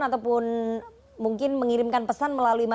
ataupun mungkin mengirim pesan ke pak jokowi ya